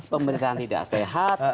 pemberitaan tidak sehat